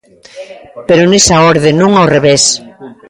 Pero nesa orde, non ao revés.